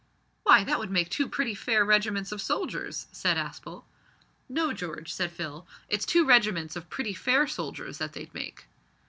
"Why, that would make two pretty fair regiments of soldiers," said Aspel. "No, George," said Phil, "it's two regiments of pretty fair soldiers that they'd make."